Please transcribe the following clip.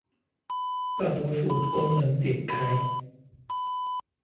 大多數功能點開